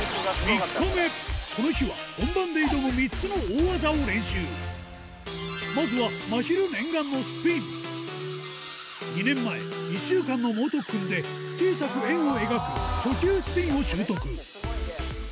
この日は本番で挑む３つの大技を練習まずはまひる２年前１週間の猛特訓で小さく円を描く初級スピンを習得